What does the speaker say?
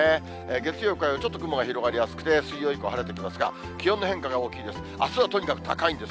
月曜、火曜、ちょっと雲が広がりやすくて、水曜以降晴れてきますが、気温の変化が大きいです。